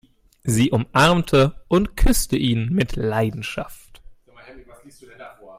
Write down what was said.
Sie umarmte und küsste ihn mit Leidenschaft.